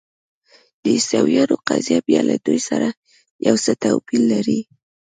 د عیسویانو قضیه بیا له دوی سره یو څه توپیر لري.